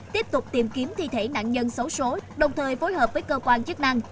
tiếp tục tìm kiếm thi thể nạn nhân xấu xối đồng thời phối hợp với cơ quan chức năng